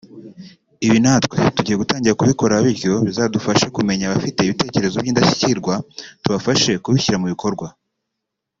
Ibi natwe tugiye gutangira kubikora bityo bizadufashe kumenya abafite ibitekerezo by’indashyikirwa tubafashe kubishyira mu bikorwa